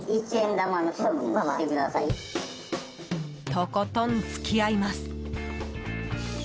とことん付き合います。